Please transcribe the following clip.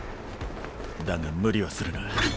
だが無理はするな。